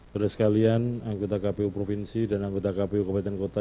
saudara sekalian anggota kpu provinsi dan anggota kpu kabupaten kota